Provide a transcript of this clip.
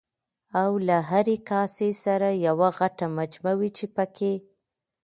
او له هرې کاسې سره یوه غټه مجمه وه چې پکې